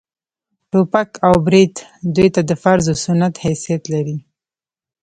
ټوپک او برېت دوى ته د فرض و سنت حيثيت لري.